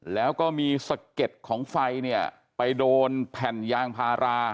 แล้วก็มีสะเก็ดของไฟเนี่ยไปโดนแผ่นยางพารา